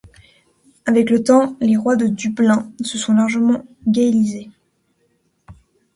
Avec le temps les Rois de Dublin se sont largement gaélicisés.